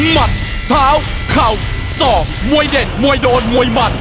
มัดเท้าเข่าสอกมวยเด็ดมวยโดนมวยหมัด